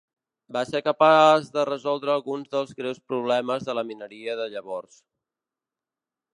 Va ser capaç de resoldre alguns dels greus problemes de la mineria de llavors.